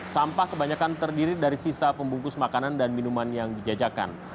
sampah kebanyakan terdiri dari sisa pembungkus makanan dan minuman yang dijajakan